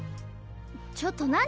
ちょっと何？